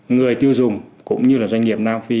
người tiêu dùng cũng như là doanh nghiệp nam phi